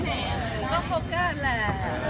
แม่กับผู้วิทยาลัย